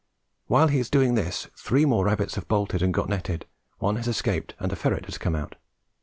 While he is doing this, three more rabbits have bolted and got netted, one has escaped, and a ferret has come out.